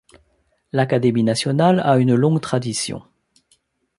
L’Académie nationale a une longue tradition.